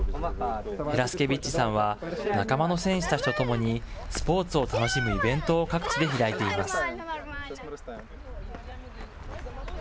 ヘラスケビッチさんは、仲間の選手たちとともに、スポーツを楽しむイベントを各地で開いています。